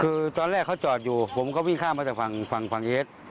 คือตอนแรกเขาจอดอยู่ผมก็วิ่งข้ามมาจากฝั่งฝั่งเอส